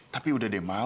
tapi sudah dia mau